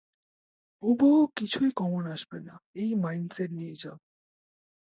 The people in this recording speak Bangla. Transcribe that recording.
হুবহু কিছুই কমন আসবে না এই মাইন্ডসেট নিয়ে যাও।